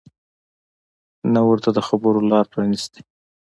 نه ورته د خبرو لاره پرانیستې